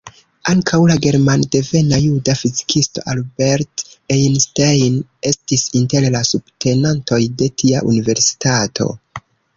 Ankaŭ la germandevena juda fizikisto Albert Einstein estis inter la subtenantoj de tia universitato.